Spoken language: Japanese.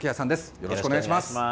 よろしくお願いします。